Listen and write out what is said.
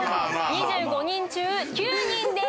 ２５人中９人です。